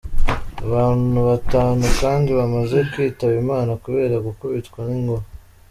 Abantu batanu kandi bamaze kwitaba Imana kubera gukubitwa n’inkuba.